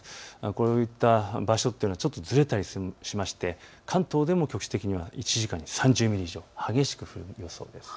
こういった場所というのはちょっとずれたりして関東でも局地的に１時間に３０ミリ以上、激しく降る予想です。